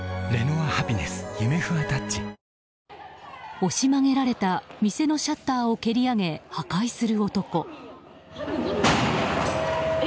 押し曲げられた店のシャッターを蹴り上げ破壊する男。